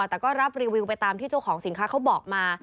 แต่ก็รับรีวิวไปตามที่เจ้าของสินค้าเขาบอกมา